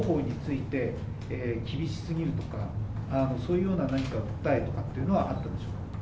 指導方法について、厳しすぎるとか、そういうような何か、訴えとかっていうのはあったんでしょうか。